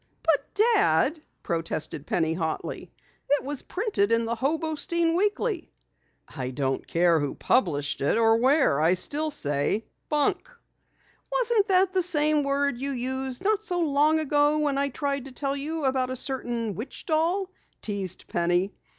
"But Dad," protested Penny hotly. "It was printed in the Hobostein Weekly." "I don't care who published it or where. I still say 'bunk!'" "Wasn't that the same word you used not so long ago when I tried to tell you about a certain Witch Doll?" teased Penny.